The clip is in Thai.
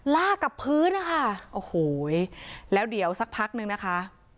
ลากกับพื้นนะคะโอ้โหแล้วเดี๋ยวสักพักนึงนะคะ